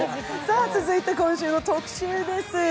続いて今週の特集です。